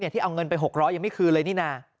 ที่เอาเงินไป๖๐๐ยังไม่คืนเลยนี่นะ